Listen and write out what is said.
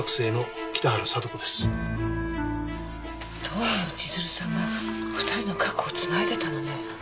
遠野千鶴さんが２人の過去をつないでたのね。